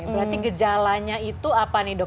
berarti gejalanya itu apa nih dok